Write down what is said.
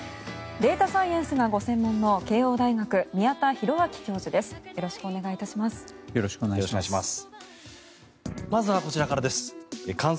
データサイエンスがご専門の慶応大学、宮田裕章教授です。